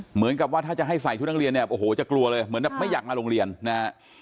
เหมือนกับว่าถ้าจะให้ใส่ชุดนักเรียนเนี่ยโอ้โหจะกลัวเลยเหมือนแบบไม่อยากมาโรงเรียนนะฮะ